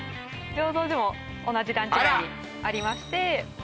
醸造所も同じ団地内にありましてあら！